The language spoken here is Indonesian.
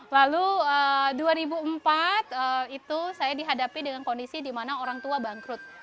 lalu dua ribu empat itu saya dihadapi dengan kondisi di mana orang tua bangkrut